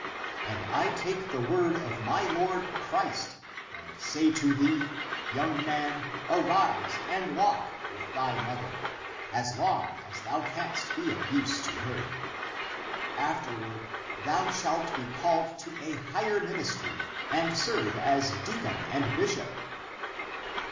And I take the word of my Lord Christ and say to thee, young man, arise and walk ^^ with thy mother, as long as thou canst be of use to her. Afterward thou shalt be called to a higher ministry and serve as deacon and bishop."